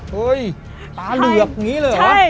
เฮ้ยตาเหลือกอย่างนี้เลยเหรอวะ